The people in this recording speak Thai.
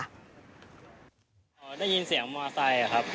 ได้ยินเสียงมอเตอร์ไซค์อ่ะครับ